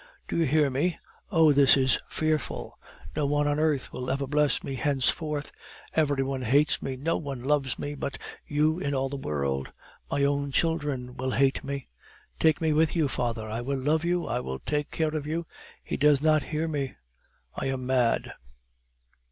Do you hear me? Oh! this is fearful! No one on earth will ever bless me henceforth; every one hates me; no one loves me but you in all the world. My own children will hate me. Take me with you, father; I will love you, I will take care of you. He does not hear me ... I am mad..."